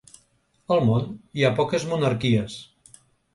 Al món, hi ha poques monarquies.